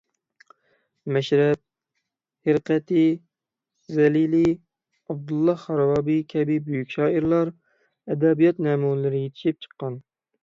مەشرەپ، ھىرقەتى، زەلىلىي، ئابدۇللاھ خاراباتىي كەبى بۈيۈك شائىرلار، ئەدەبىيات نەمۇنىلىرى يېتىشىپ چىققان.